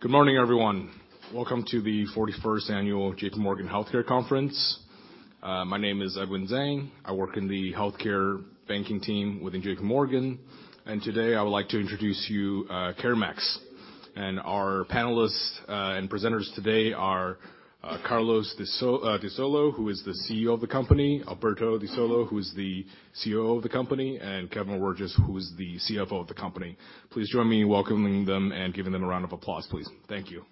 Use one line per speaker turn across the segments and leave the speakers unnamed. Good morning, everyone. Welcome to the 41st annual J.P. Morgan Healthcare Conference. My name is Edwin Zhang. I work in the healthcare banking team within J.P. Morgan, and today I would like to introduce you, CareMax. Our panelists and presenters today are Carlos DeSolo, who is the CEO of the company, Alberto DeSolo, who is the COO of the company, and Kevin Wirges, who is the CFO of the company. Please join me in welcoming them and giving them a round of applause, please. Thank you.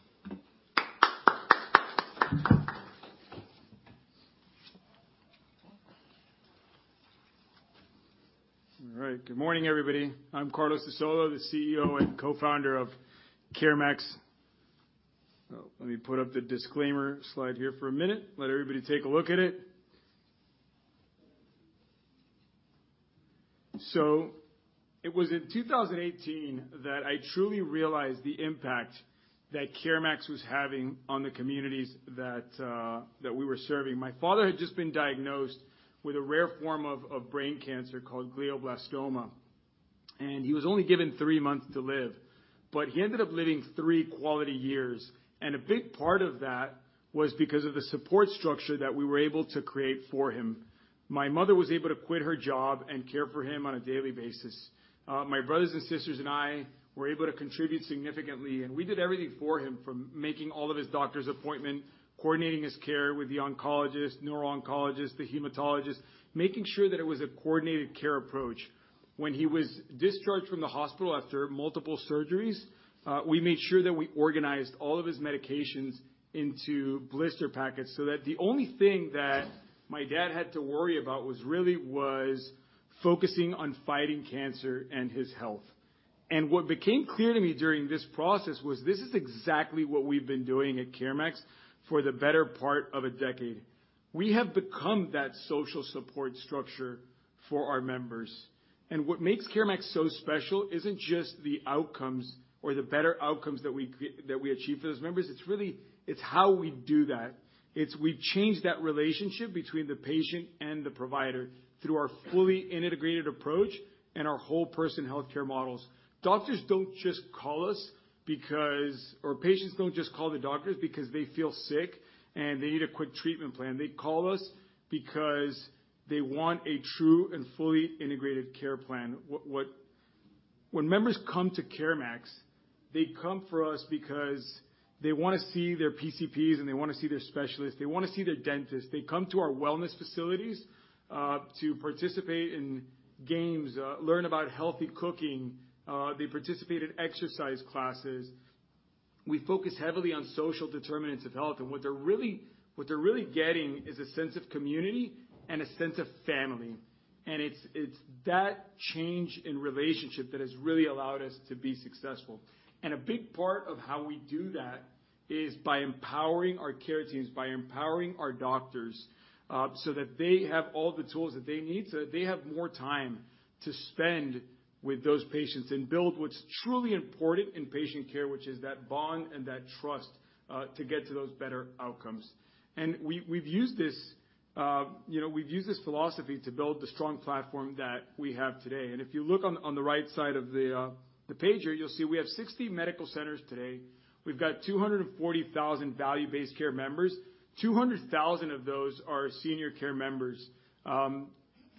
All right. Good morning, everybody. I'm Carlos DeSolo, the CEO and co-founder of CareMax. Let me put up the disclaimer slide here for a minute, let everybody take a look at it. It was in 2018 that I truly realized the impact that CareMax was having on the communities that we were serving. My father had just been diagnosed with a rare form of brain cancer called glioblastoma, and he was only given 3 months to live. He ended up living 3 quality years, and a big part of that was because of the support structure that we were able to create for him. My mother was able to quit her job and care for him on a daily basis. My brothers and sisters and I were able to contribute significantly, and we did everything for him, from making all of his doctor's appointment, coordinating his care with the oncologist, neuro-oncologist, the hematologist, making sure that it was a coordinated care approach. When he was discharged from the hospital after multiple surgeries, we made sure that we organized all of his medications into blister packets so that the only thing that my dad had to worry about was really focusing on fighting cancer and his health. What became clear to me during this process was this is exactly what we've been doing at CareMax for the better part of a decade. We have become that social support structure for our members. What makes CareMax so special isn't just the outcomes or the better outcomes that we achieve for those members. It's really... It's how we do that. It's we change that relationship between the patient and the provider through our fully integrated approach and our whole person healthcare models. Doctors don't just call us or patients don't just call the doctors because they feel sick and they need a quick treatment plan. They call us because they want a true and fully integrated care plan. When members come to CareMax, they come for us because they wanna see their PCPs and they wanna see their specialists, they wanna see their dentist. They come to our wellness facilities, to participate in games, learn about healthy cooking. They participate in exercise classes. We focus heavily on social determinants of health. What they're really getting is a sense of community and a sense of family. It's that change in relationship that has really allowed us to be successful. A big part of how we do that is by empowering our care teams, by empowering our doctors, so that they have all the tools that they need, so they have more time to spend with those patients and build what's truly important in patient care, which is that bond and that trust, to get to those better outcomes. We've used this, you know, philosophy to build the strong platform that we have today. If you look on the right side of the page here, you'll see we have 60 medical centers today. We've got 240,000 value-based care members. 200,000 of those are senior care members.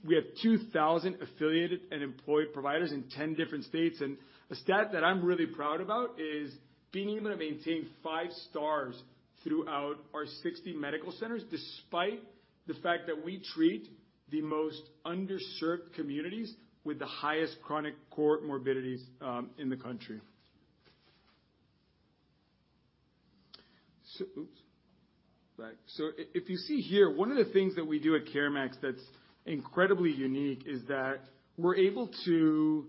We have 2,000 affiliated and employed providers in 10 different states. A stat that I'm really proud about is being able to maintain 5 stars throughout our 60 medical centers, despite the fact that we treat the most underserved communities with the highest chronic comorbidities in the country. Oops. Back. So you see here, one of the things that we do at CareMax that's incredibly unique is that we're able to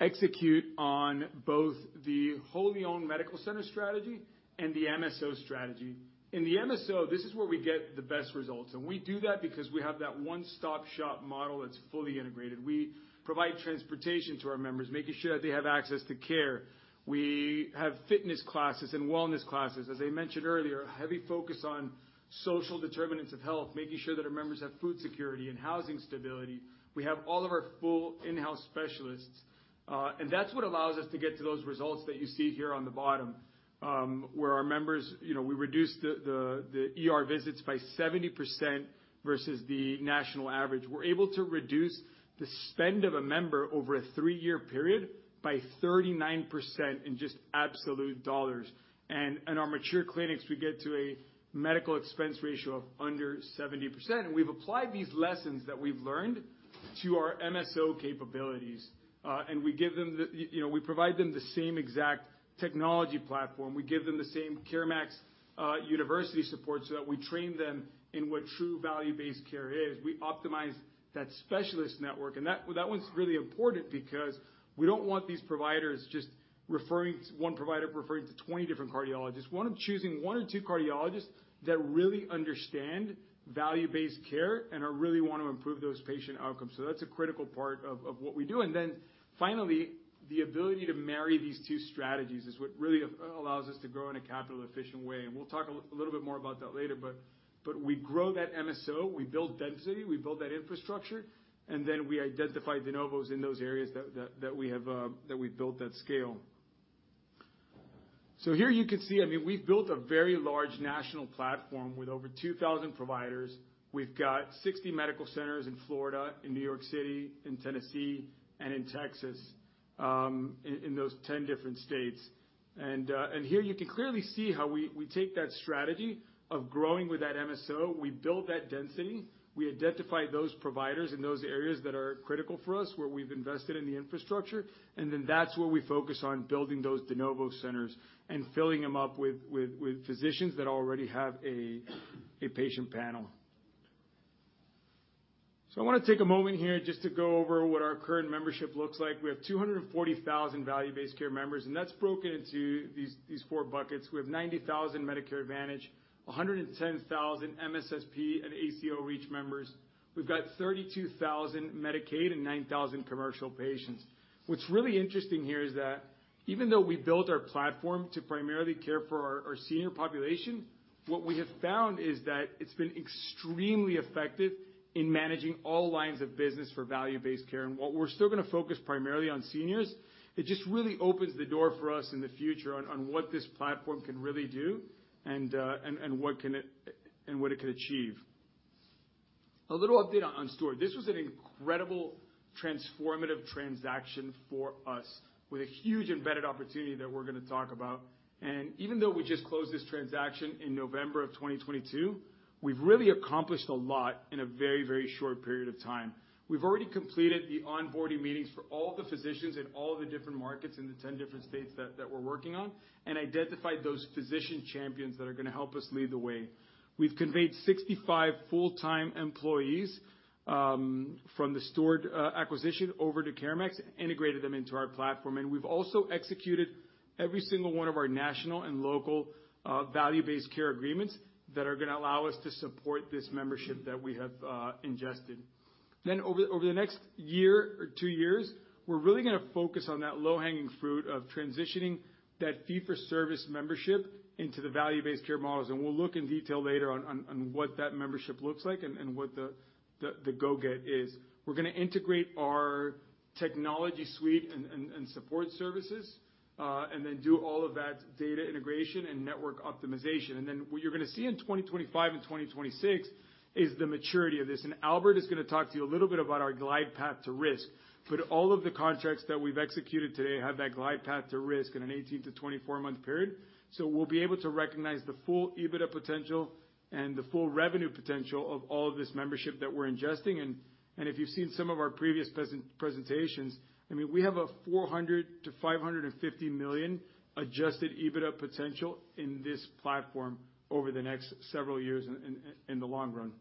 execute on both the wholly owned medical center strategy and the MSO strategy. In the MSO, this is where we get the best results, and we do that because we have that one-stop-shop model that's fully integrated. We provide transportation to our members, making sure that they have access to care. We have fitness classes and wellness classes. As I mentioned earlier, a heavy focus on social determinants of health, making sure that our members have food security and housing stability. We have all of our full in-house specialists. And that's what allows us to get to those results that you see here on the bottom, where our members, you know, we reduced the ER visits by 70% versus the national average. We're able to reduce the spend of a member over a three-year period by 39% in just absolute dollars. Our mature clinics, we get to a medical expense ratio of under 70%. We've applied these lessons that we've learned to our MSO capabilities. We give them the, you know, we provide them the same exact technology platform. We give them the same CareMax University support so that we train them in what true value-based care is. We optimize that specialist network. Well, that one's really important because we don't want these providers just referring 1 provider, referring to 20 different cardiologists. We want them choosing 1 or 2 cardiologists that really understand value-based care and are really want to improve those patient outcomes. That's a critical part of what we do. Finally, the ability to marry these 2 strategies is what really allows us to grow in a capital efficient way. We'll talk a little bit more about that later, but we grow that MSO, we build density, we build that infrastructure, and then we identify de novos in those areas that we have that we've built that scale. Here you can see, I mean, we've built a very large national platform with over 2,000 providers. We've got 60 medical centers in Florida, in New York City, in Tennessee, and in Texas, in those 10 different states. Here you can clearly see how we take that strategy of growing with that MSO. We build that density. We identify those providers in those areas that are critical for us, where we've invested in the infrastructure, and then that's where we focus on building those de novo centers and filling them up with physicians that already have a patient panel. I wanna take a moment here just to go over what our current membership looks like. We have 240,000 value-based care members, and that's broken into these four buckets. We have 90,000 Medicare Advantage, 110,000 MSSP and ACO REACH members. We've got 32,000 Medicaid and 9,000 commercial patients. What's really interesting here is that even though we built our platform to primarily care for our senior population, what we have found is that it's been extremely effective in managing all lines of business for value-based care. While we're still gonna focus primarily on seniors, it just really opens the door for us in the future on what this platform can really do and what it could achieve. A little update on Steward. This was an incredible transformative transaction for us with a huge embedded opportunity that we're gonna talk about. Even though we just closed this transaction in November of 2022, we've really accomplished a lot in a very, very short period of time. We've already completed the onboarding meetings for all the physicians in all the different markets in the 10 different states that we're working on and identified those physician champions that are gonna help us lead the way. We've conveyed 65 full-time employees from the Steward acquisition over to CareMax, integrated them into our platform, and we've also executed every single one of our national and local value-based care agreements that are gonna allow us to support this membership that we have ingested. Over the next year or 2 years, we're really gonna focus on that low-hanging fruit of transitioning that fee-for-service membership into the value-based care models, and we'll look in detail later on what that membership looks like and what the go-get is. We're gonna integrate our technology suite and support services, and then do all of that data integration and network optimization. What you're gonna see in 2025 and 2026 is the maturity of this, and Albert is gonna talk to you a little bit about our glide path to risk. All of the contracts that we've executed today have that glide path to risk in an 18-24 month period. We'll be able to recognize the full EBITDA potential and the full revenue potential of all of this membership that we're ingesting, and if you've seen some of our previous presentations, I mean, we have a $400 million-$550 million adjusted EBITDA potential in this platform over the next several years in the long run.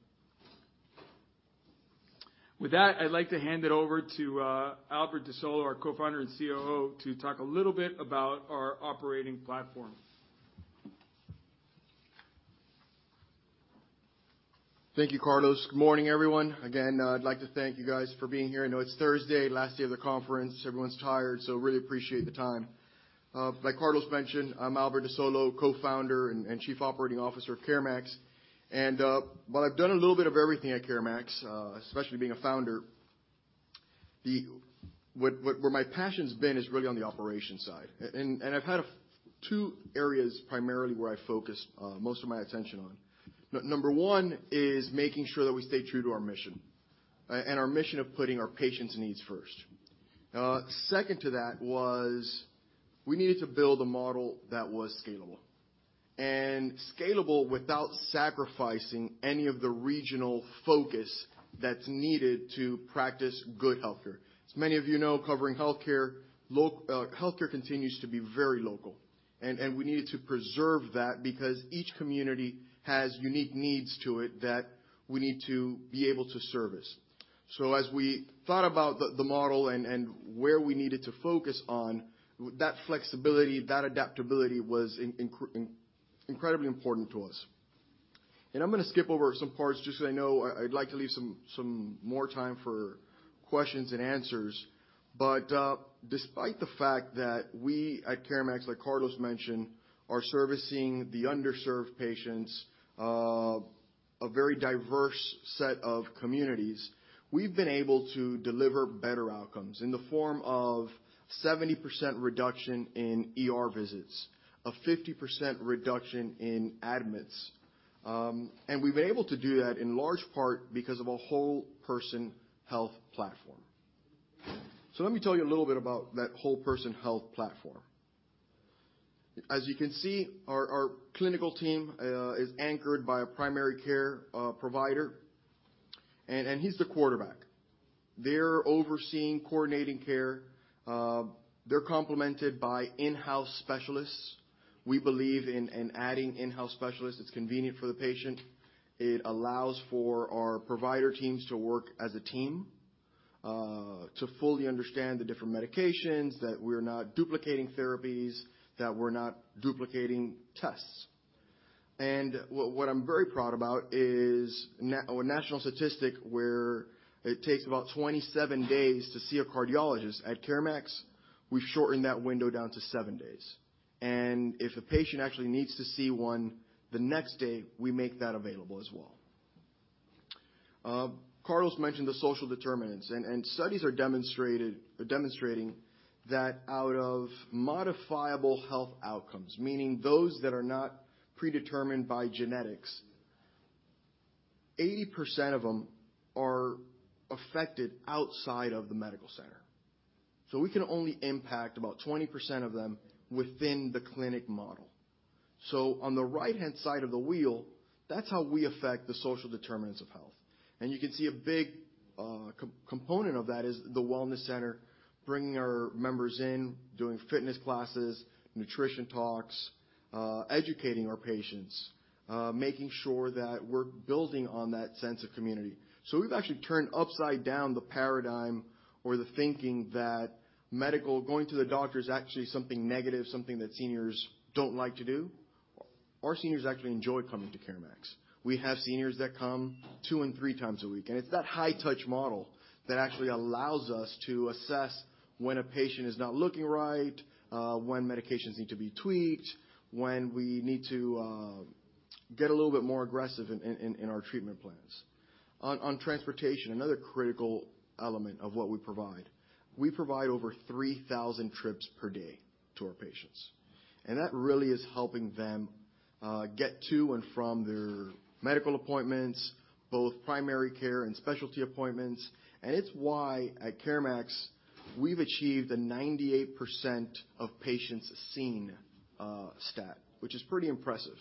With that, I'd like to hand it over to Albert de Solo, our co-founder and COO, to talk a little bit about our operating platform.
Thank you, Carlos. Good morning, everyone. Again, I'd like to thank you guys for being here. I know it's Thursday, last day of the conference. Everyone's tired, so really appreciate the time. Like Carlos mentioned, I'm Alberto de Solo, co-founder and Chief Operating Officer of CareMax. While I've done a little bit of everything at CareMax, especially being a founder, where my passion's been is really on the operations side. And I've had two areas primarily where I focus most of my attention on. Number one is making sure that we stay true to our mission and our mission of putting our patients' needs first. Second to that was we needed to build a model that was scalable. Scalable without sacrificing any of the regional focus that's needed to practice good healthcare. As many of you know, covering healthcare continues to be very local, and we needed to preserve that because each community has unique needs to it that we need to be able to service. As we thought about the model and where we needed to focus on, that flexibility, that adaptability was incredibly important to us. I'd like to leave some more time for questions and answers. Despite the fact that we, at CareMax, like Carlos mentioned, are servicing the underserved patients, a very diverse set of communities, we've been able to deliver better outcomes in the form of 70% reduction in ER visits, a 50% reduction in admits, and we've been able to do that in large part because of a whole person health platform. Let me tell you a little bit about that whole person health platform. As you can see, our clinical team is anchored by a primary care provider and he's the quarterback. They're overseeing coordinating care. They're complemented by in-house specialists. We believe in adding in-house specialists. It's convenient for the patient. It allows for our provider teams to work as a team, to fully understand the different medications, that we're not duplicating therapies, that we're not duplicating tests. What I'm very proud about is on national statistic, where it takes about 27 days to see a cardiologist. At CareMax, we've shortened that window down to 7 days. If a patient actually needs to see one the next day, we make that available as well. Carlos mentioned the social determinants, and studies are demonstrating that out of modifiable health outcomes, meaning those that are not predetermined by genetics, 80% of them are affected outside of the medical center. We can only impact about 20% of them within the clinic model. On the right-hand side of the wheel, that's how we affect the social determinants of health. You can see a big co-component of that is the wellness center, bringing our members in, doing fitness classes, nutrition talks, educating our patients, making sure that we're building on that sense of community. We've actually turned upside down the paradigm or the thinking that going to the doctor is actually something negative, something that seniors don't like to do. Our seniors actually enjoy coming to CareMax. We have seniors that come 2 and 3 times a week, and it's that high-touch model that actually allows us to assess when a patient is not looking right, when medications need to be tweaked, when we need to get a little bit more aggressive in our treatment plans. Transportation, another critical element of what we provide. We provide over 3,000 trips per day to our patients, and that really is helping them get to and from their medical appointments, both primary care and specialty appointments. It's why at CareMax, we've achieved a 98% of patients seen stat, which is pretty impressive.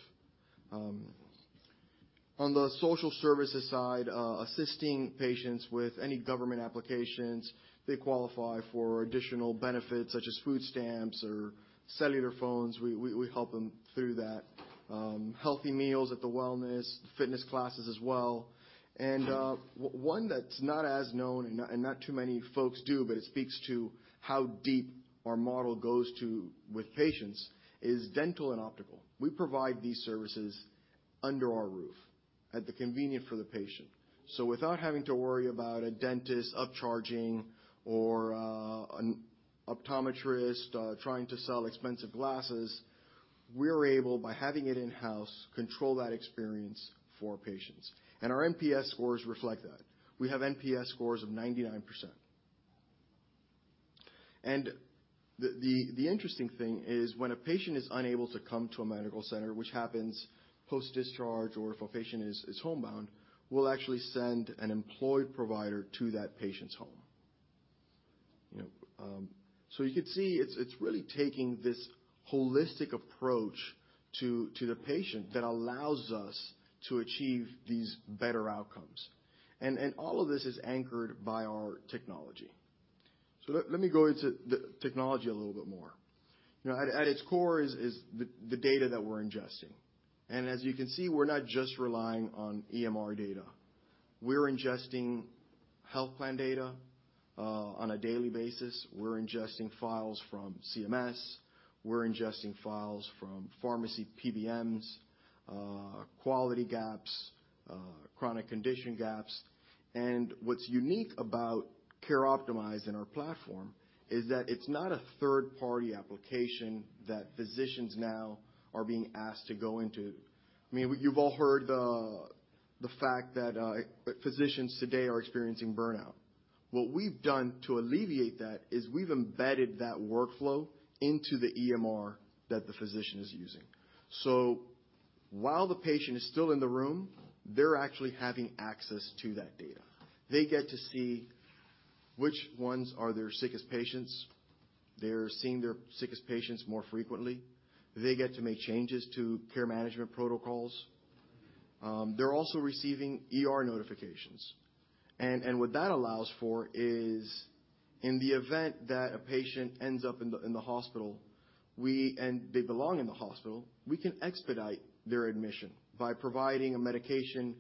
On the social services side, assisting patients with any government applications they qualify for or additional benefits such as food stamps or cellular phones, we help them through that. Healthy meals at the wellness, fitness classes as well. One that's not as known and not too many folks do, but it speaks to how deep our model goes to with patients, is dental and optical. We provide these services under our roof at the convenient for the patient. without having to worry about a dentist upcharging or an optometrist trying to sell expensive glasses, we're able, by having it in-house, control that experience for patients. Our NPS scores reflect that. We have NPS scores of 99%. The interesting thing is when a patient is unable to come to a medical center, which happens post-discharge or if a patient is homebound, we'll actually send an employed provider to that patient's home. You know, you could see it's really taking this holistic approach to the patient that allows us to achieve these better outcomes. All of this is anchored by our technology. Let me go into the technology a little bit more. You know, at its core is the data that we're ingesting. As you can see, we're not just relying on EMR data. We're ingesting health plan data on a daily basis. We're ingesting files from CMS. We're ingesting files from pharmacy PBMs, quality gaps, chronic condition gaps. What's unique about Care Optimize in our platform is that it's not a third-party application that physicians now are being asked to go into. I mean, you've all heard the fact that physicians today are experiencing burnout. What we've done to alleviate that is we've embedded that workflow into the EMR that the physician is using. While the patient is still in the room, they're actually having access to that data. They get to see which ones are their sickest patients. They're seeing their sickest patients more frequently. They get to make changes to care management protocols. They're also receiving ER notifications. What that allows for is in the event that a patient ends up in the hospital, and they belong in the hospital, we can expedite their admission by providing a medication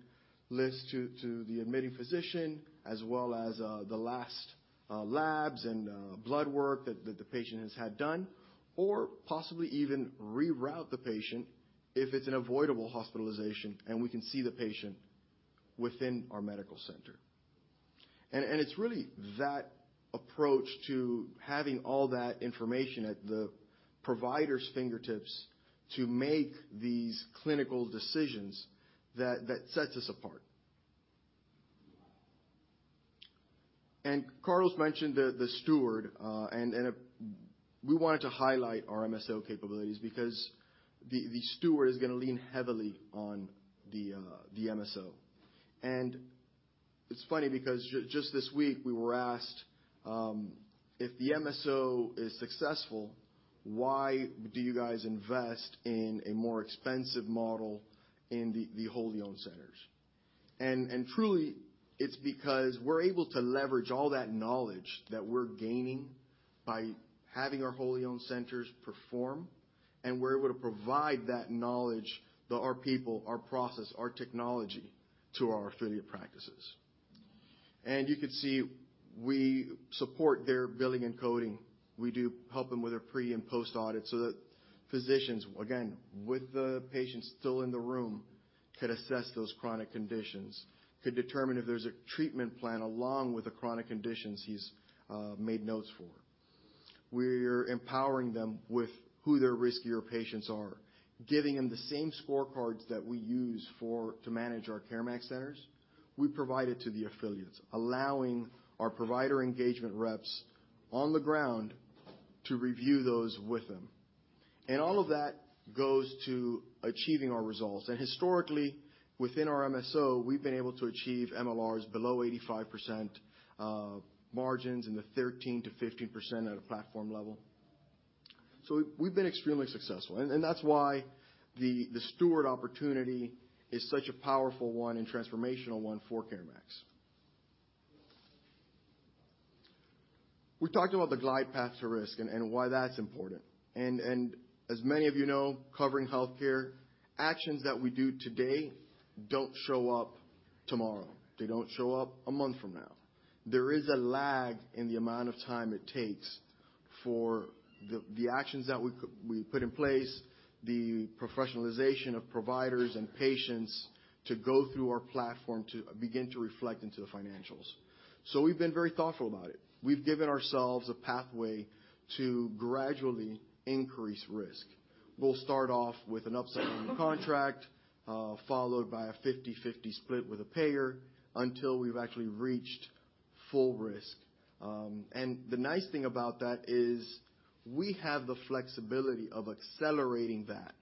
list to the admitting physician as well as the last labs and blood work the patient has had done, or possibly even reroute the patient if it's an avoidable hospitalization and we can see the patient within our medical center. It's really that approach to having all that information at the provider's fingertips to make these clinical decisions that sets us apart. Carlos mentioned the Steward. We wanted to highlight our MSO capabilities because the Steward is gonna lean heavily on the MSO. It's funny because just this week, we were asked, "If the MSO is successful, why do you guys invest in a more expensive model in the wholly owned centers?" Truly, it's because we're able to leverage all that knowledge that we're gaining by having our wholly owned centers perform, and we're able to provide that knowledge to our people, our process, our technology, to our affiliate practices. You could see we support their billing and coding. We do help them with their pre and post-audit so that physicians, again, with the patients still in the room, can assess those chronic conditions, could determine if there's a treatment plan along with the chronic conditions he's made notes for. We're empowering them with who their riskier patients are, giving them the same scorecards that we use to manage our CareMax centers. We provide it to the affiliates, allowing our provider engagement reps on the ground to review those with them. All of that goes to achieving our results. Historically, within our MSO, we've been able to achieve MLRs below 85%, margins in the 13%-15% at a platform level. We've been extremely successful and that's why the Steward opportunity is such a powerful one and transformational one for CareMax. We talked about the glide path to risk and why that's important. As many of you know, covering healthcare, actions that we do today don't show up tomorrow. They don't show up a month from now. There is a lag in the amount of time it takes for the actions that we put in place, the professionalization of providers and patients to go through our platform to begin to reflect into the financials. We've been very thoughtful about it. We've given ourselves a pathway to gradually increase risk. We'll start off with an upside-only contract, followed by a 50/50 split with a payer until we've actually reached full risk. The nice thing about that is we have the flexibility of accelerating that.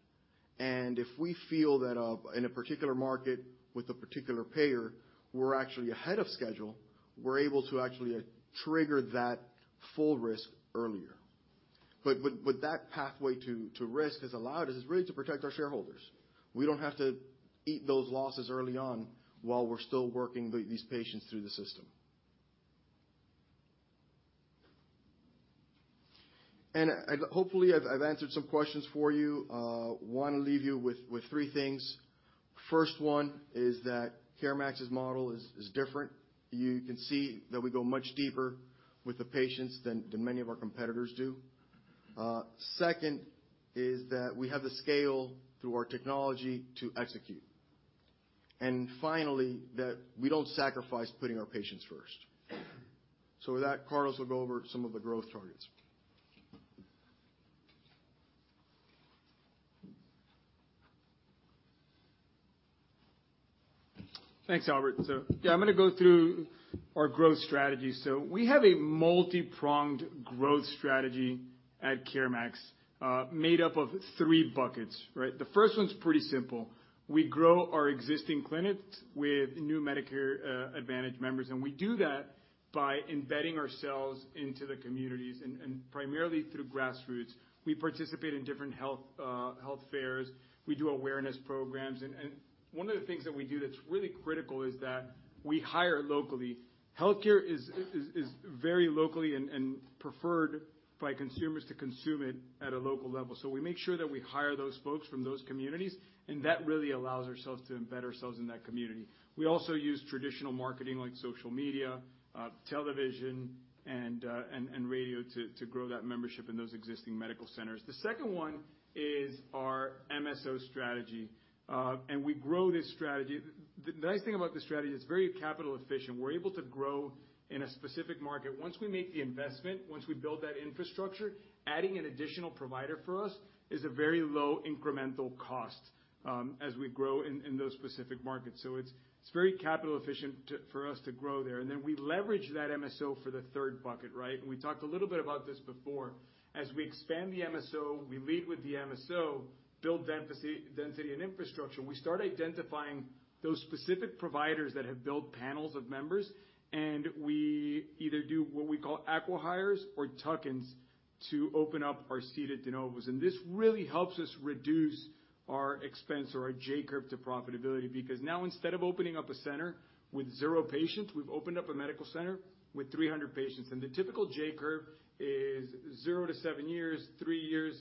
If we feel that in a particular market with a particular payer, we're actually ahead of schedule, we're able to actually trigger that full risk earlier. That pathway to risk has allowed us really to protect our shareholders. We don't have to eat those losses early on while we're still working these patients through the system. Hopefully, I've answered some questions for you. Wanna leave you with three things. First one is that CareMax's model is different. You can see that we go much deeper with the patients than many of our competitors do. Second is that we have the scale through our technology to execute. Finally, that we don't sacrifice putting our patients first. With that, Carlos will go over some of the growth targets.
Thanks, Albert. Yeah, I'm gonna go through our growth strategy. We have a multipronged growth strategy at CareMax, made up of three buckets, right? The first one's pretty simple. We grow our existing clinics with new Medicare Advantage members, and we do that by embedding ourselves into the communities and primarily through grassroots. We participate in different health fairs. We do awareness programs. One of the things that we do that's really critical is that we hire locally. Healthcare is very locally and preferred by consumers to consume it at a local level. We make sure that we hire those folks from those communities, and that really allows ourselves to embed ourselves in that community. We also use traditional marketing like social media, television, and radio to grow that membership in those existing medical centers. The second one is our MSO strategy. We grow this strategy. The nice thing about this strategy is it's very capital efficient. We're able to grow in a specific market. Once we make the investment, once we build that infrastructure, adding an additional provider for us is a very low incremental cost as we grow in those specific markets. It's very capital efficient for us to grow there. Then we leverage that MSO for the third bucket, right? We talked a little bit about this before. As we expand the MSO, we lead with the MSO, build density and infrastructure. We start identifying those specific providers that have built panels of members, we either do what we call acqui-hires or tuck-ins to open up our seated de novos. This really helps us reduce our expense or our J-curve to profitability, because now instead of opening up a center with 0 patients, we've opened up a medical center with 300 patients. The typical J-curve is 0-7 years, 3 years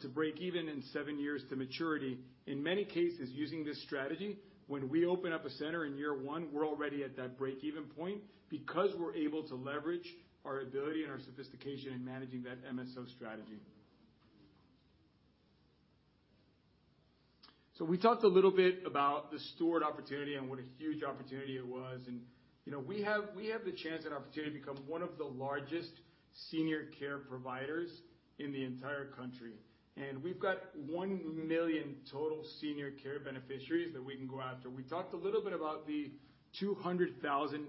to break even and 7 years to maturity. In many cases, using this strategy, when we open up a center in year 1, we're already at that break-even point because we're able to leverage our ability and our sophistication in managing that MSO strategy. We talked a little bit about the Steward opportunity and what a huge opportunity it was. You know, we have the chance and opportunity to become one of the largest senior care providers in the entire country. We've got 1 million total senior care beneficiaries that we can go after. We talked a little bit about the 200,000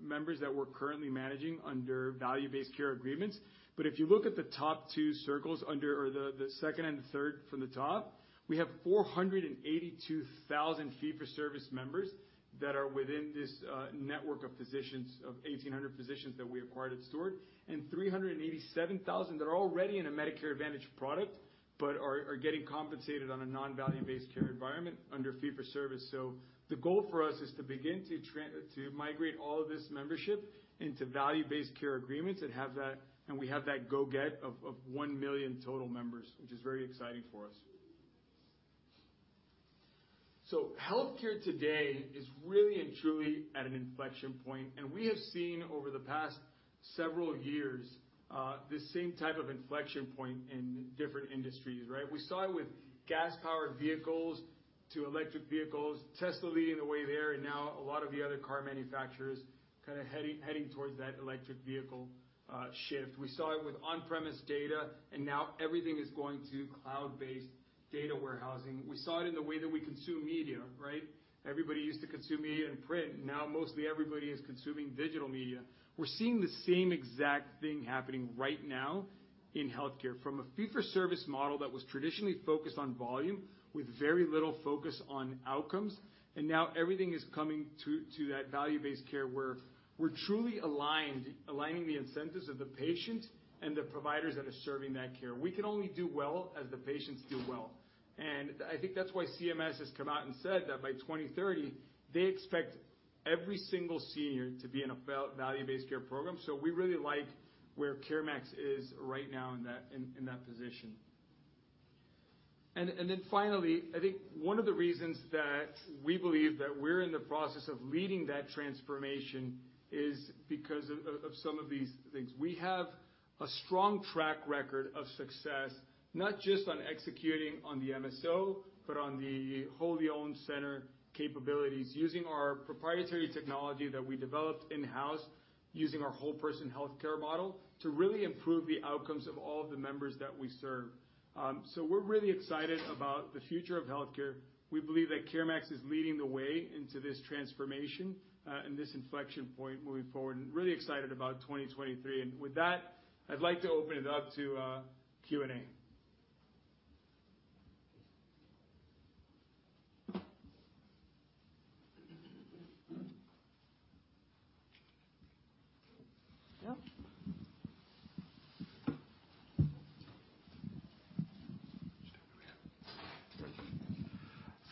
members that we're currently managing under value-based care agreements. If you look at the top two circles under the second and the third from the top, we have 482,000 fee-for-service members that are within this network of physicians, of 1,800 physicians that we acquired at Steward, and 387,000 that are already in a Medicare Advantage product but are getting compensated on a non-value-based care environment under fee-for-service. The goal for us is to begin to migrate all of this membership into value-based care agreements, and we have that go get of 1 million total members, which is very exciting for us. Healthcare today is really and truly at an inflection point, and we have seen over the past several years, this same type of inflection point in different industries, right? We saw it with gas-powered vehicles to electric vehicles, Tesla leading the way there, and now a lot of the other car manufacturers kinda heading towards that electric vehicle shift. We saw it with on-premise data, and now everything is going to cloud-based data warehousing. We saw it in the way that we consume media, right? Everybody used to consume media in print, and now mostly everybody is consuming digital media. We're seeing the same exact thing happening right now in healthcare from a fee-for-service model that was traditionally focused on volume with very little focus on outcomes, and now everything is coming to that value-based care where we're truly aligned, aligning the incentives of the patient and the providers that are serving that care. We can only do well as the patients do well. I think that's why CMS has come out and said that by 2030, they expect every single senior to be in a value-based care program. We really like where CareMax is right now in that position. Finally, I think one of the reasons that we believe that we're in the process of leading that transformation is because of some of these things. We have a strong track record of success, not just on executing on the MSO, but on the wholly-owned center capabilities using our proprietary technology that we developed in-house using our whole person healthcare model to really improve the outcomes of all of the members that we serve. We're really excited about the future of healthcare. We believe that CareMax is leading the way into this transformation and this inflection point moving forward, and really excited about 2023. With that, I'd like to open it up to Q&A.
Yeah.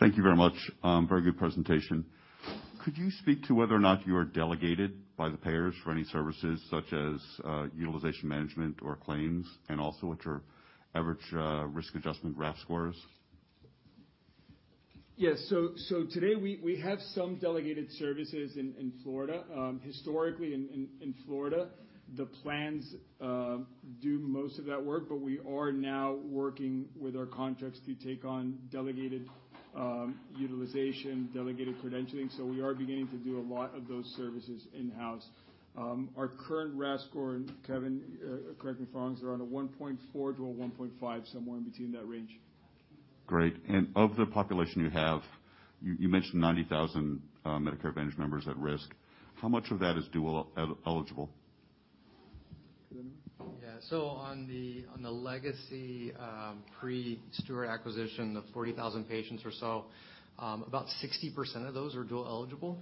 Thank you very much. Very good presentation. Could you speak to whether or not you are delegated by the payers for any services such as utilization management or claims, and also what your average risk adjustment RAF score is?
Yes. Today we have some delegated services in Florida. Historically in Florida, the plans do most of that work, but we are now working with our contracts to take on delegated utilization, delegated credentialing, so we are beginning to do a lot of those services in-house. Our current RAF score, Kevin, correct me if I'm wrong, is around a 1.4-1.5, somewhere in between that range.
Great. Of the population you have, you mentioned 90,000 Medicare Advantage members at risk. How much of that is dual eligible?
Kevin?
On the, on the legacy, on the pre-Steward acquisition of 40,000 patients or so, about 60% of those are dual eligible.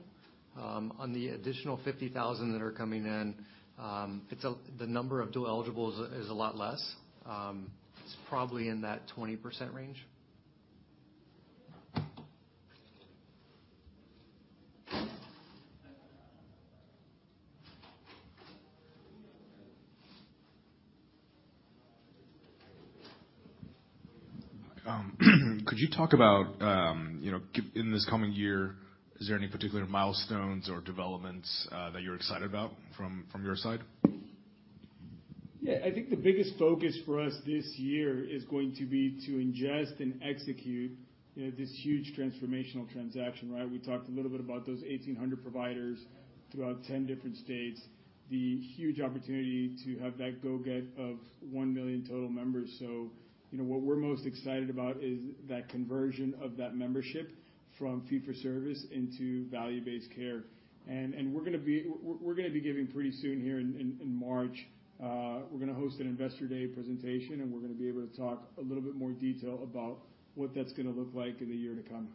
On the additional 50,000 that are coming in, the number of dual eligible is a lot less. It's probably in that 20% range.
Could you talk about, you know, in this coming year, is there any particular milestones or developments that you're excited about from your side?
Yeah. I think the biggest focus for us this year is going to be to ingest and execute, you know, this huge transformational transaction, right? We talked a little bit about those 1,800 providers throughout 10 different states, the huge opportunity to have that go get of 1 million total members. You know, what we're most excited about is that conversion of that membership from fee-for-service into value-based care. We're gonna be giving pretty soon here in March, we're gonna host an Investor Day presentation, and we're gonna be able to talk a little bit more detail about what that's gonna look like in the year to come.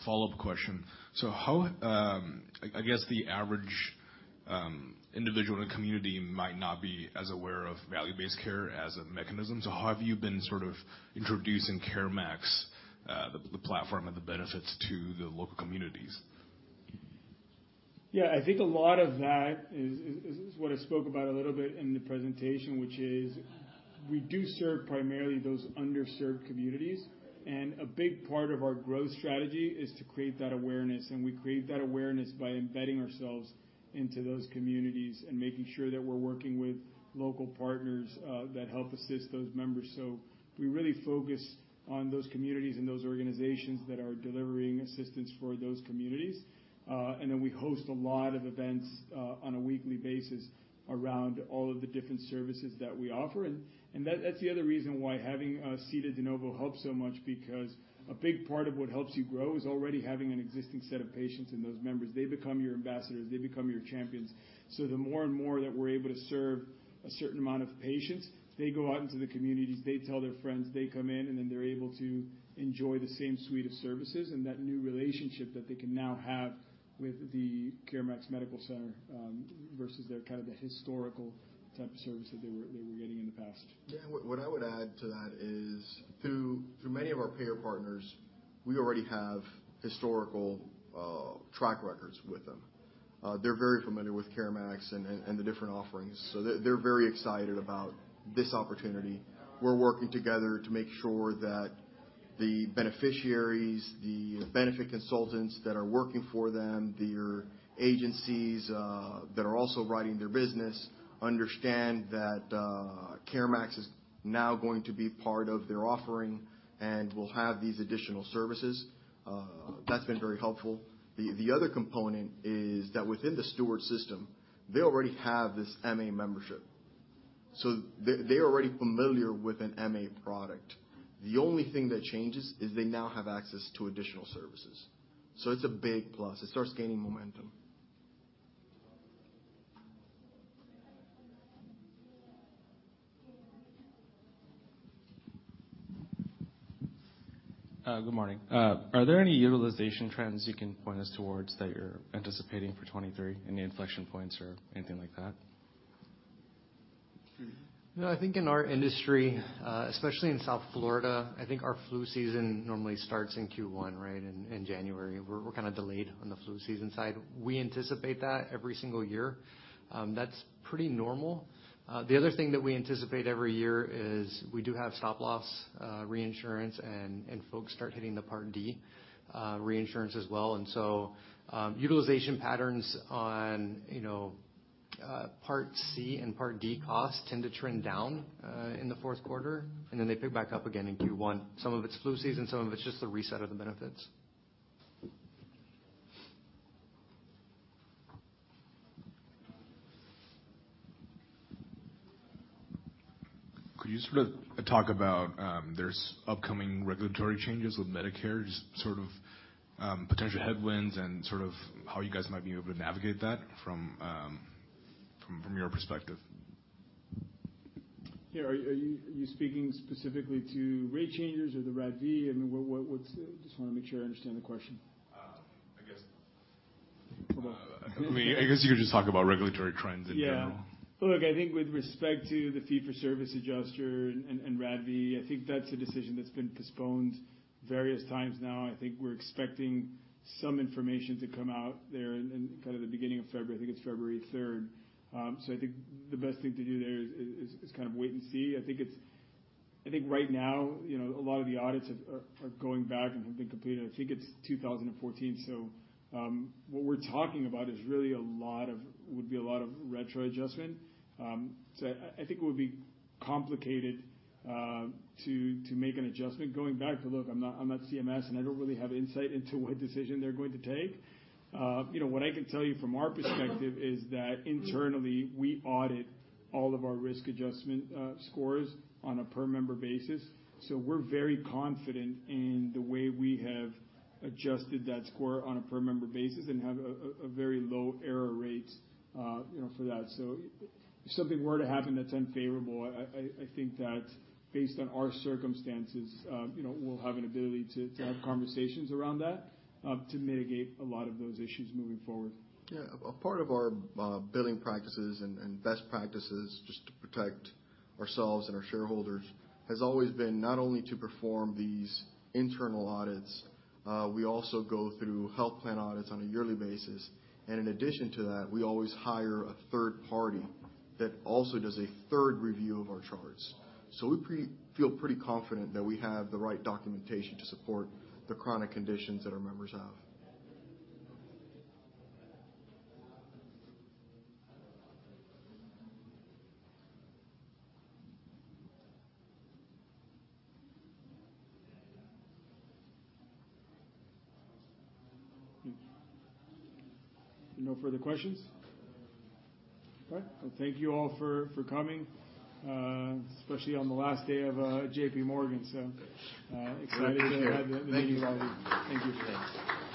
As a follow-up question, how, I guess the average, individual in the community might not be as aware of value-based care as a mechanism? How have you been sort of introducing CareMax, the platform and the benefits to the local communities?
I think a lot of that is what I spoke about a little bit in the presentation, which is we do serve primarily those underserved communities, and a big part of our growth strategy is to create that awareness, and we create that awareness by embedding ourselves into those communities and making sure that we're working with local partners that help assist those members. We really focus on those communities and those organizations that are delivering assistance for those communities. Then we host a lot of events on a weekly basis around all of the different services that we offer. That's the other reason why having a seated de novo helps so much because a big part of what helps you grow is already having an existing set of patients and those members. They become your ambassadors, they become your champions. The more and more that we're able to serve a certain amount of patients, they go out into the communities, they tell their friends, they come in, and then they're able to enjoy the same suite of services and that new relationship that they can now have with the CareMax Medical Center versus their kind of the historical type of service that they were getting in the past.
Yeah. What I would add to that is through many of our payer partners...
We already have historical track records with them. They're very familiar with CareMax and the different offerings. They're very excited about this opportunity. We're working together to make sure that the beneficiaries, the benefit consultants that are working for them, their agencies that are also writing their business understand that CareMax is now going to be part of their offering and will have these additional services. That's been very helpful. The other component is that within the Steward system, they already have this MA membership. They're already familiar with an MA product. The only thing that changes is they now have access to additional services. It's a big plus. It starts gaining momentum.
Good morning. Are there any utilization trends you can point us towards that you're anticipating for 23? Any inflection points or anything like that?
I think in our industry, especially in South Florida, I think our flu season normally starts in Q1, right, in January. We're kinda delayed on the flu season side. We anticipate that every single year. That's pretty normal. The other thing that we anticipate every year is we do have stop-loss, reinsurance and, folks start hitting the Part D, reinsurance as well. Utilization patterns on, you know, Part C and Part D costs tend to trend down, in the fourth quarter, and then they pick back up again in Q1. Some of it's flu season, some of it's just the reset of the benefits.
Could you sort of talk about, there's upcoming regulatory changes with Medicare, just sort of, potential headwinds and sort of how you guys might be able to navigate that from your perspective?
Yeah. Are you speaking specifically to rate changes or the RADV? I mean, what's? Just wanna make sure I understand the question.
Um, I guess-
Go on.
I mean, I guess you could just talk about regulatory trends in general.
Look, I think with respect to the fee-for-service adjuster and RADV, I think that's a decision that's been postponed various times now. I think we're expecting some information to come out there in kind of the beginning of February. I think it's February 3. I think the best thing to do there is kind of wait and see. I think right now, you know, a lot of the audits are going back and have been completed. I think it's 2014. What we're talking about is really a lot of, would be a lot of retro adjustment. I think it would be complicated to make an adjustment going back. Look, I'm not, I'm not CMS, and I don't really have insight into what decision they're going to take. you know, what I can tell you from our perspective is that internally, we audit all of our risk adjustment scores on a per member basis. We're very confident in the way we have adjusted that score on a per member basis and have a very low error rate, you know, for that. If something were to happen that's unfavorable, I think that based on our circumstances, you know, we'll have an ability to have conversations around that to mitigate a lot of those issues moving forward.
A part of our billing practices and best practices just to protect ourselves and our shareholders has always been not only to perform these internal audits, we also go through health plan audits on a yearly basis. In addition to that, we always hire a third party that also does a third review of our charts. We feel pretty confident that we have the right documentation to support the chronic conditions that our members have.
No further questions? All right. Well, thank you all for coming, especially on the last day of J.P. Morgan. Excited to have the meeting with you.
Thank you.
Thank you.
Thanks.